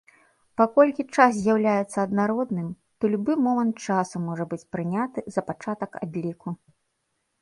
Паколькі час з'яўляецца аднародным, то любы момант часу можа быць прыняты за пачатак адліку.